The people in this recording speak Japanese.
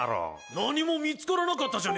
何も見つからなかったじゃねえか。